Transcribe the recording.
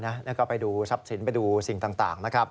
แล้วก็ไปดูทรัพย์สินไปดูสิ่งต่างนะครับ